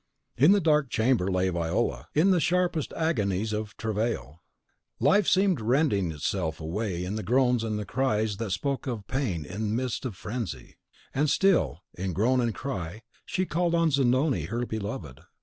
.... In the dark chamber lay Viola, in the sharpest agonies of travail; life seemed rending itself away in the groans and cries that spoke of pain in the midst of frenzy; and still, in groan and cry, she called on Zanoni, her beloved.